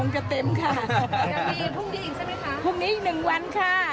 จะเต็มค่ะยังมีพรุ่งนี้อีกใช่ไหมคะพรุ่งนี้อีกหนึ่งวันค่ะ